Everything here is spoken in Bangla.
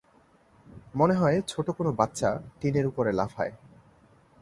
মনে হয় ছোট কোনো বাচ্চা টিনের উপরে লাফায়।